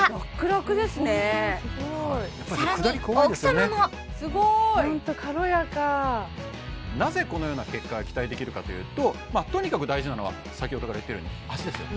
楽々ですねホントすごい更に奥様もすごーいホント軽やかなぜこのような結果が期待できるかというととにかく大事なのは先ほどから言っているように脚ですよ